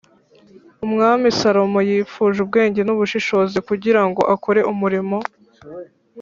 umwami salomo yifuje ubwenge n’ubushishozi kugira ngo akore umurimo